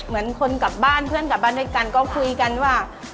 เหมือนคนกลับบ้านเพื่อนกลับบ้านด้วยกันก็คุยกันว่า